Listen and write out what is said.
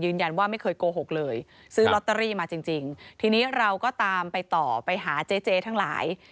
ว่าไม่เคยโกหกเลยซื้อลอตเตอรี่มาจริงจริงทีนี้เราก็ตามไปต่อไปหาเจ๊เจ๊ทั้งหลาย